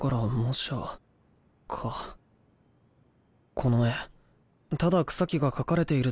この絵ただ草木が描かれているだけに